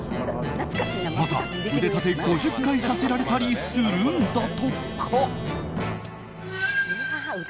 また、腕立て伏せを５０回させられたりするんだとか。